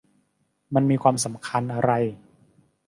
มันมีความสำคัญอะไร ?